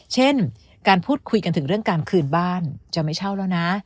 เช่นการพูดคุยกันถึงเรื่องการคืนบ้านจะไม่เช่าแล้วนะ